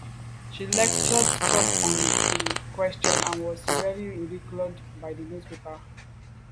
She lectured some on the question and was severely ridiculed by the newspapers.